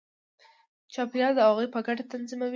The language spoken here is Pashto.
چاپېریال د هغوی په ګټه تنظیموي.